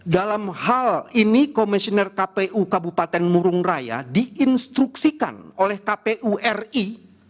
dalam hal ini komisioner kpu kabupaten murung raya diinstruksikan oleh kpu ri